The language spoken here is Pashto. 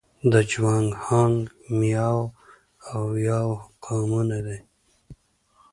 د جوانګ، هان، میاو او یاو قومونه دي.